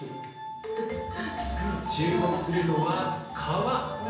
注目するのは、皮。